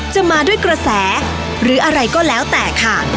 จะมาด้วยกระแสหรืออะไรก็แล้วแต่ค่ะ